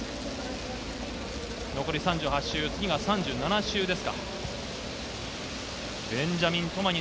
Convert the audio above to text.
残り３８周、次が３７周です。